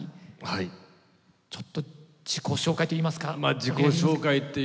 ちょっと自己紹介といいますか。